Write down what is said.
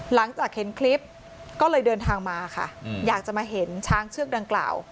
หลังจากเห็นคลิปก็เลยเดินทางมาค่ะอยากจะมาเห็นช้างเชือกดังกล่าว